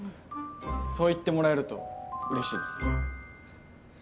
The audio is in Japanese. そう言ってもらえると嬉しいです。